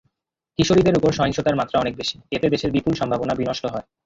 কিশোরীদের ওপর সহিংসতার মাত্রা অনেক বেশি, এতে দেশের বিপুল সম্ভাবনা বিনষ্ট হয়।